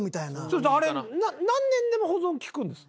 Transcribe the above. そうそうあれ何年でも保存利くんです。